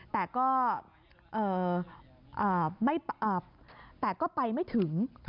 แต่ก็ไปไม่ถึง